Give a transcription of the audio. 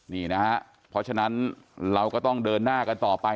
นี่นะฮะเพราะฉะนั้นเราก็ต้องเดินหน้ากันต่อไป